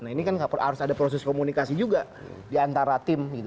nah ini kan harus ada proses komunikasi juga diantara tim gitu